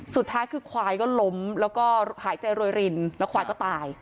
สุดท้ายคือควายก็ล้มแล้วก็หายใจโรยรินแล้วควายก็ตาย